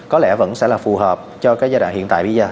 có lẽ vẫn sẽ là phù hợp cho cái giai đoạn hiện tại bây giờ